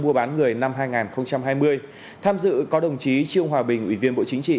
mua bán người năm hai nghìn hai mươi tham dự có đồng chí trương hòa bình ủy viên bộ chính trị